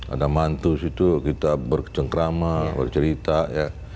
ada mantu situ kita berkecengkrama bercerita ya